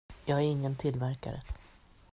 Jag är ingen tillverkare.